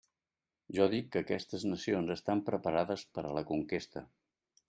Jo dic que aquestes nacions estan preparades per a la conquesta.